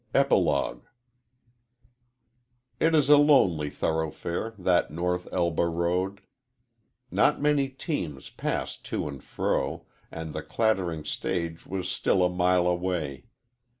EPILOGUE It is a lonely thoroughfare, that North Elba road. Not many teams pass to and fro, and the clattering stage was still a mile away.